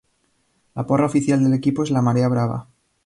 La porra oficial del equipo es "La marea brava".